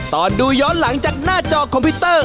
ตอนดูย้อนหลังจากหน้าจอคอมพิวเตอร์